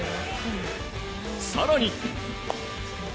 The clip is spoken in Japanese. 更に。